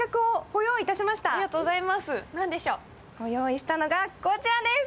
ご用意したのがこちらです。